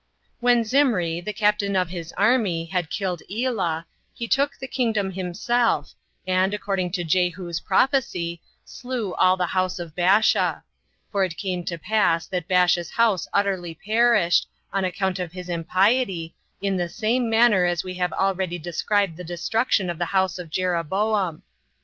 5. When Zimri, the captain of the army, had killed Elah, he took the kingdom himself, and, according to Jehu's prophecy, slew all the house of Baasha; for it came to pass that Baasha's house utterly perished, on account of his impiety, in the same manner as we have already described the destruction of the house of Jeroboam.